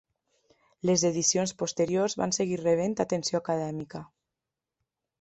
Les edicions posteriors van seguir rebent atenció acadèmica.